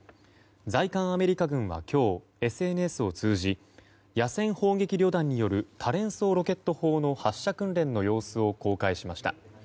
在韓アメリカ軍は今日ＳＮＳを通じ野戦砲撃旅団による多連装ロケット砲の発射訓練の様子を公開しました。